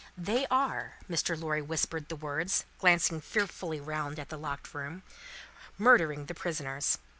"They are," Mr. Lorry whispered the words, glancing fearfully round at the locked room, "murdering the prisoners.